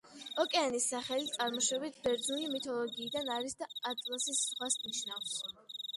ოკეანის სახელი წარმოშობით ბერძნული მითოლოგიიდან არის და „ატლასის ზღვას“ ნიშნავს.